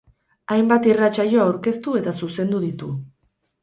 Hainbat irratsaio aurkeztu eta zuzendu ditu.